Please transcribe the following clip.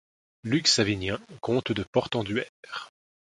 Luc-Savinien, comte de Portenduère.